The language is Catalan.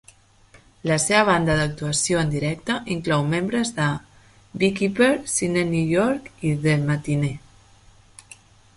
La seva banda d'actuació en directe inclou membres de Beekeeper, Sidney York i The Matinee.